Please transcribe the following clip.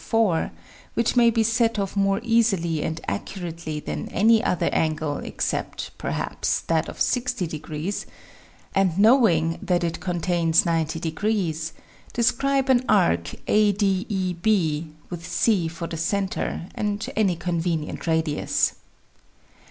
4, which may be set off more easily and accurately than any other angle except, perhaps, that of 60, and knowing that it contains 90, describe an arc ADEB, with C for the center and any convenient radius.